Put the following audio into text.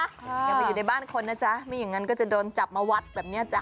อย่าไปอยู่ในบ้านคนนะจ๊ะไม่อย่างนั้นก็จะโดนจับมาวัดแบบนี้จ้ะ